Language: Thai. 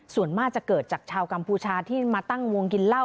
ส่วนมากจะเกิดจากชาวกัมพูชาที่มาตั้งวงกินเหล้า